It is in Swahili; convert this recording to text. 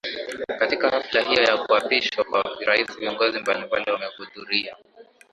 Katika hafla hiyo ya kuapishwa kwa rais viongozi mbalimbali wamehudhuria